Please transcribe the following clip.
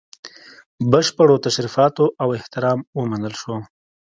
بشپړو تشریفاتو او احترام ومنل سو.